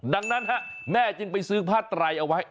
ดังนั้นแม่จึงไปซื้อผ้าไตรเอาไว้